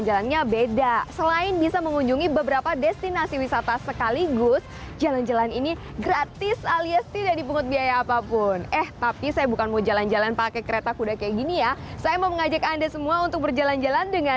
jalan jalan dengan bus pariwisata kota semarang